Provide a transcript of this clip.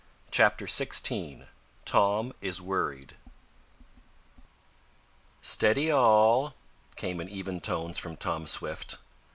CHAPTER XVI TOM IS WORRIED "Steady, all!" came in even tones from Tom Swift.